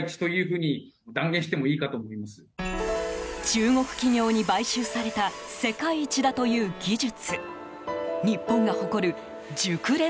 中国企業に買収された世界一だという技術。